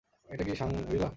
এটা কি শাংরি-লা?